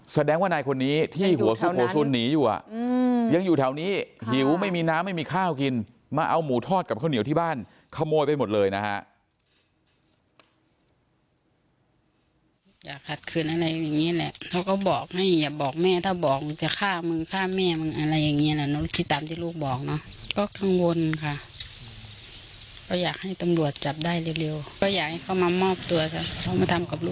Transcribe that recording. แสดงว่านายคนนี้ที่หัวสุโขซุนหนีอยู่ยังอยู่แถวนี้หิวไม่มีน้ำไม่มีข้าวกินมาเอาหมูทอดกับข้าวเหนียวที่บ้านขโมยไปหมดเลยนะฮะ